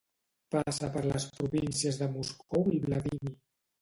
Passa per les províncies de Moscou i de Vladímir.